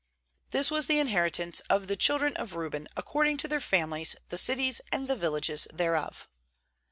This was the inheritance of the children of Reuben according to their families, the cities and the villages thereof.